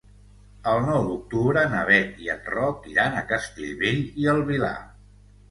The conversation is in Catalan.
El nou d'octubre na Beth i en Roc iran a Castellbell i el Vilar.